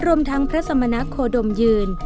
รวมทั้งพระสัมมนาคโคดมยืน